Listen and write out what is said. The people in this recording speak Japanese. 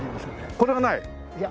これがない？